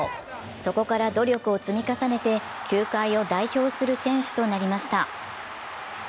そこから努力を積み重ねて、球界を代表する選手となりました。